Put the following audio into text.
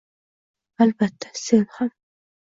Albatta, sen ham.